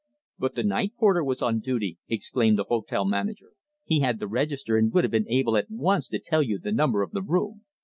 "But the night porter was on duty," exclaimed the hotel manager. "He had the register and would have been able at once to tell you the number of the room."